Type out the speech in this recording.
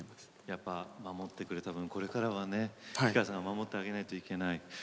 やっぱ守ってくれた分これからはね氷川さんが守ってあげないといけない。